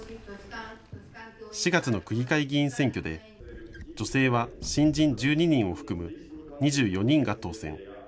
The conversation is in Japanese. ４月の区議会議員選挙で女性は新人１２人を含む２４人が当選。